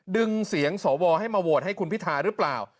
ดึงเสียงสวให้มาโหวตให้คุณพิทาหรือเปล่า